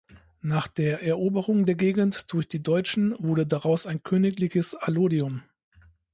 Nach der Eroberung der Gegend durch die Deutschen wurde daraus ein königliches Allodium.